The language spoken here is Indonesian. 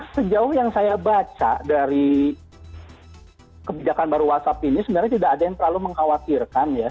sejauh yang saya baca dari kebijakan baru whatsapp ini sebenarnya tidak ada yang terlalu mengkhawatirkan ya